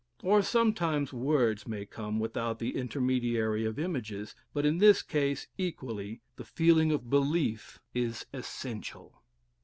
Or sometimes words may come without the intermediary of images; but in this case equally the feeling of belief is essential.